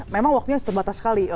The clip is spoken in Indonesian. memang waktunya terbatas sekali